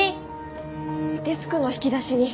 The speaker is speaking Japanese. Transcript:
デスクの引き出しにこれが。